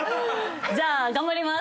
じゃあ頑張ります。